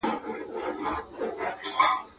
په ژوند کې ترټولو سخته څپېړه دباور وړ کس درنښلوي